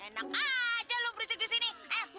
oke kalau begitu silakan dilanjut